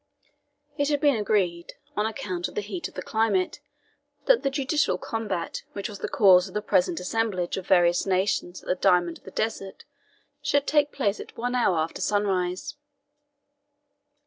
It had been agreed, on account of the heat of the climate, that the judicial combat which was the cause of the present assemblage of various nations at the Diamond of the Desert should take place at one hour after sunrise.